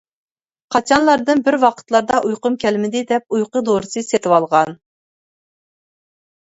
قاچانلاردىن بىر ۋاقىتلاردا ئۇيقۇم كەلمىدى دەپ ئۇيقۇ دورىسى سېتىۋالغان.